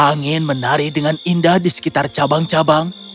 angin menari dengan indah di sekitar cabang cabang